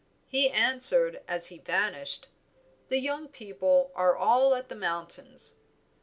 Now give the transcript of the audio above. He answered, as he vanished, 'The young people are all at the mountains.'